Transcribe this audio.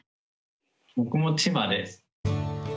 僕も千葉です。